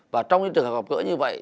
và trong những trường hợp gỡ như vậy